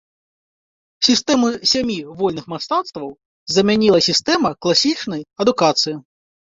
Сістэму сямі вольных мастацтваў замяніла сістэма класічнай адукацыі.